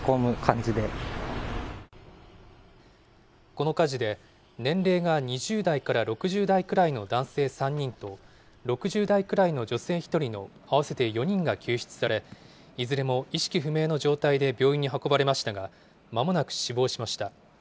この火事で、年齢が２０代から６０代くらいの男性３人と、６０代くらいの女性１人の合わせて４人が救出され、いずれも意識不明の状態で病院に運ばれましたが、まもなく死亡しました。